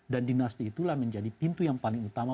dan dinasti itulah menjadi pintu yang paling utama